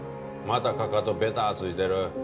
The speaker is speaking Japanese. またかかとベターッついてる。